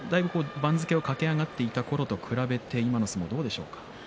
番付を駆け上がっていたころと比べて今の相撲どうですか？